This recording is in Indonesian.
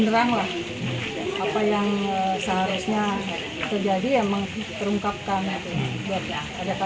di sekolah sekolah kemasan stip